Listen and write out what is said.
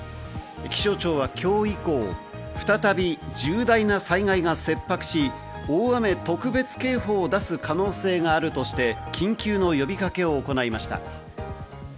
気象庁は今日以降、再び重大な災害が切迫し、大雨特別警報を出す可能性があるとして、緊急の呼びかけを行いました。